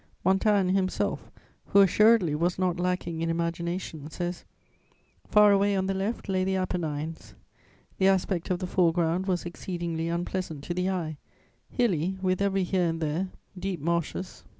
Montaigne himself, who assuredly was not lacking in imagination, says: "Far away on the left lay the Apennines; the aspect of the foreground was exceedingly unpleasant to the eye, hilly, with every here and there deep marshes...